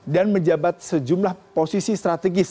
dan menjabat sejumlah posisi strategis